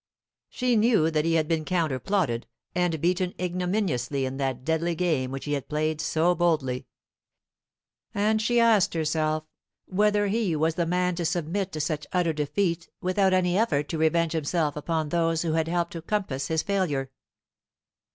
She knew that he had been counter plotted and beaten ignominiously in that deadly game which he had played so boldly. And she asked herself whether he was the man to submit to such utter defeat without any effort to revenge himself upon those who had helped to compass his failure.